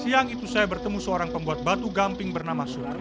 siang itu saya bertemu seorang pembuat batu gamping bernama suri